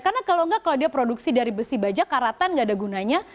karena kalau enggak kalau dia produksi dari besi baja karatan gak ada gunanya